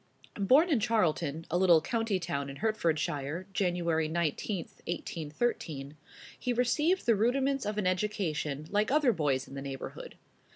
Born in Charlton, a little county town in Hertfordshire, Jan. 19, 1813, he received the rudiments of an education like other boys in the neighborhood.